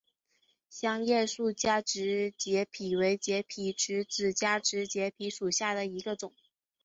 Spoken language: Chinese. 香叶树加植节蜱为节蜱科子加植节蜱属下的一个种。